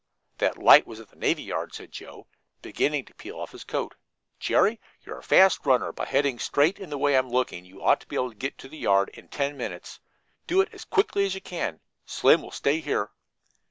"That light was at the navy yard," said Joe, beginning to peel off his coat. "Jerry, you're a fast runner. By heading straight in the way I'm looking you ought to be able to get to the yard in ten minutes. Do it as quickly as you can. Slim will stay here."